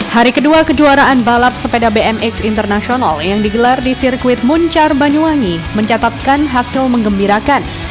hari kedua kejuaraan balap sepeda bmx internasional yang digelar di sirkuit muncar banyuwangi mencatatkan hasil mengembirakan